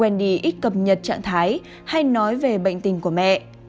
mendy ít cập nhật trạng thái hay nói về bệnh tình của mẹ